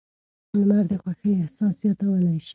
لمر د خوښۍ احساس زیاتولی شي.